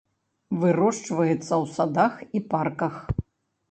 Вырошчваецца ў садах і парках.